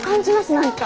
何か。